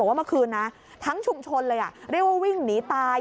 ว่าเมื่อคืนนะทั้งชุมชนเลยเรียกว่าวิ่งหนีตาย